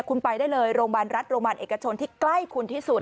คุณไปได้เลยโรงพยาบาลรัฐโรงพยาบาลเอกชนที่ใกล้คุณที่สุด